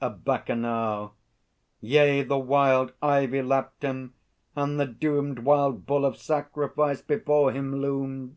A Bacchanal. Yea, the wild ivy lapt him, and the doomed Wild Bull of Sacrifice before him loomed!